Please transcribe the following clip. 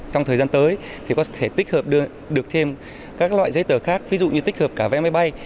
trong thời gian tới thì có thể tích hợp được thêm các loại giấy tờ khác ví dụ như tích hợp cả vé máy bay